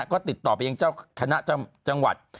ก็ติดต่อไปยังเจ้าคณะจังหวัด